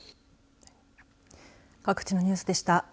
各地のニュースでした。